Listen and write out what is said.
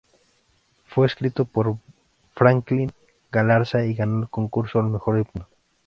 Fue escrito por Franklin Galarza y ganó el concurso al mejor himno.